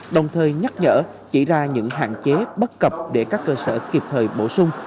đồng thời nhắc nhở chỉ ra những hạn chế bất cập để các cơ sở kịp thời bổ sung